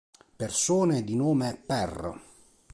Persone di nome Per